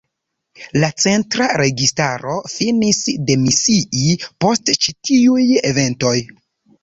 La centra registaro finis demisii post ĉi tiuj eventoj.